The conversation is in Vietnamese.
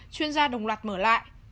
chuyên gia đồng loạt mở lại